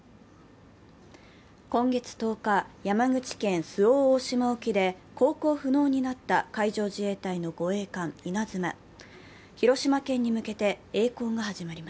今月１０日、山口県周防大島沖で航行不能になった海上自衛隊の護衛艦「いなづま」。